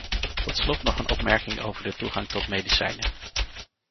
Tot slot nog een opmerking over de toegang tot medicijnen.